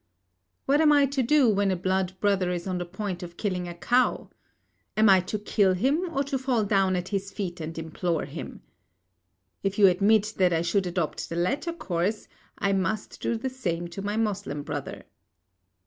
What am I to do when a blood brother is on the point of killing a cow? Am I to kill him, or to fall down at his feet and implore him? If you admit that I should adopt the latter course, I must do the same to my Moslem brother.